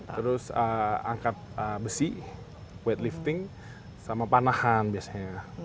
terus angkat besi weightlifting sama panahan biasanya